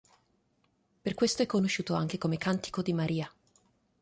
Per questo è conosciuto anche come cantico di Maria.